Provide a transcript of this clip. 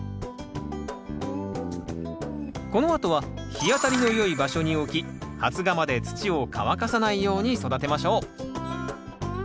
このあとは日当たりのよい場所に置き発芽まで土を乾かさないように育てましょう。